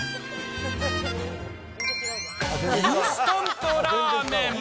インスタントラーメン。